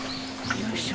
よいしょ。